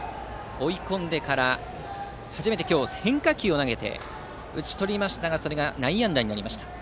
追い込んでから初めて変化球を投げて打ち取りましたがそれが内野安打。